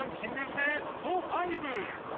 ベスト ５！